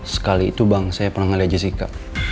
sekali itu bang saya pernah ngalir jessica